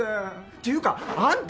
ていうかあんた！